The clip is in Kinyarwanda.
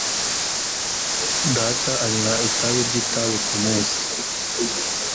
Data anywa itabi ry'itabi kumunsi.